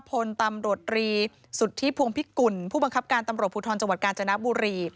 พลตำรวจรีสุทธิพวงพิกุลผู้บังคับการตำรวจภูทรจังหวัดกาญจนบุรี